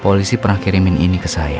polisi pernah kirimin ini ke saya